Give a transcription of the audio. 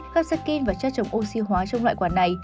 cắp sạc kênh và chất chống oxy hóa trong loại quả này